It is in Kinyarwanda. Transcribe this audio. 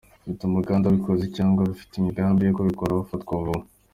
Bituma kandi ababikoze cyangwa abafite imigambi yo kubikora bafatwa vuba."